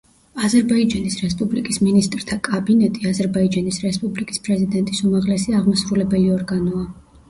აზერბაიჯანის რესპუბლიკის მინისტრთა კაბინეტი აზერბაიჯანის რესპუბლიკის პრეზიდენტის უმაღლესი აღმასრულებელი ორგანოა.